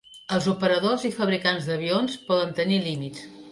Els operadors i fabricants d'avions poden tenir límits.